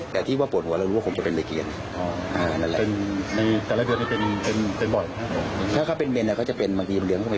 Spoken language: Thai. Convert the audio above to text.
แต่ที่ว่าปวดหัวแล้วไปรู้ว่าผมจะเป็นนาเกียรติ